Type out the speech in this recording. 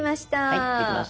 はいできました。